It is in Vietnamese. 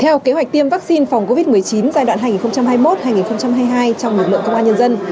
theo kế hoạch tiêm vaccine phòng covid một mươi chín giai đoạn hai nghìn hai mươi một hai nghìn hai mươi hai trong lực lượng công an nhân dân